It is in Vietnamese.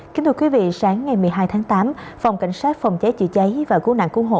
kính thưa quý vị sáng ngày một mươi hai tháng tám phòng cảnh sát phòng cháy chữa cháy và cứu nạn cứu hộ